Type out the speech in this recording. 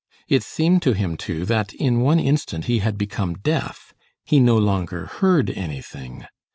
It seemed to him too, that, in one instant, he had become deaf. He no longer heard anything.